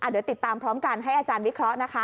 เดี๋ยวติดตามพร้อมกันให้อาจารย์วิเคราะห์นะคะ